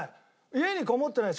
家にこもってない。